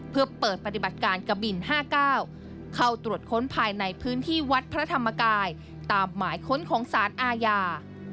เพื่อเปิดปฏิบัติการกะบิน๕๙เข้าตรวจค้นภายในพื้นที่วัดพระธรรมกายตามหมายค้นของสารอาญา